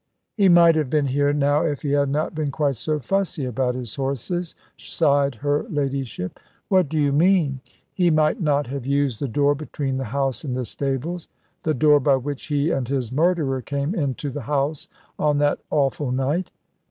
"He might have been here now if he had not been quite so fussy about his horses," sighed her ladyship. "What do you mean?" "He might not have used the door between the house and the stables the door by which he and his murderer came into the house on that awful night."